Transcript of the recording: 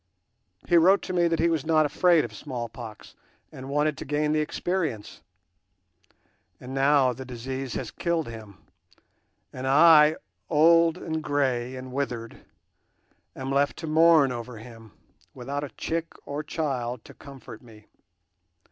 He wrote to me that he was not afraid of smallpox and wanted to gain the experience; and now the disease has killed him, and I, old and grey and withered, am left to mourn over him, without a chick or child to comfort me.